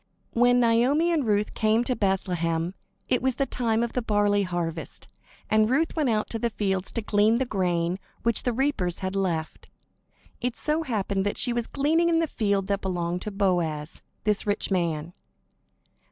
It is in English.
When Naomi and Ruth came to Bethlehem, it was the time of the barley harvest; and Ruth went out into the fields to glean the grain which the reapers had left. It so happened that she was gleaning in the field that belonged to Boaz, this rich man.